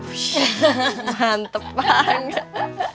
wisssya mantep banget